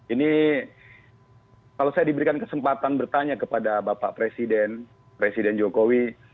ini kalau saya diberikan kesempatan bertanya kepada bapak presiden presiden jokowi